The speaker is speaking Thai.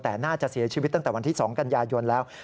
แต่น่าจะเสียชีวิตตั้งแต่วันที่๒กันยายนแล้ว